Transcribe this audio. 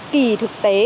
kỳ thực tế